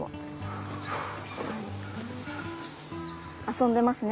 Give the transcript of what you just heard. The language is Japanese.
遊んでますね。